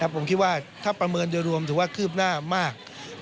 ผมคิดว่าถ้าประเมินโดยรวมถือว่าคืบหน้ามาก